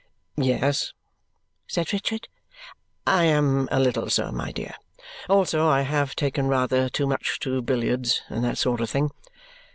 "Yes," said Richard, "I am a little so, my dear. Also, I have taken rather too much to billiards and that sort of thing.